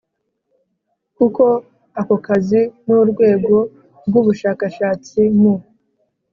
Kuko ako kazi n ‘urwego rw,ubashakashatsi mu